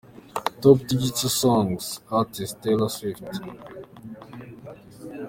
Top Digital Songs Artist: Taylor Swift .